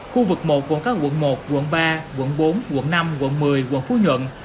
khu vực một gồm các quận một quận ba quận bốn quận năm quận một mươi quận phú nhuận